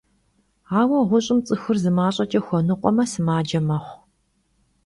Aue ğuş'ım ts'ıxur zı maş'eç'e xuenıkhueme, sımace mexhu.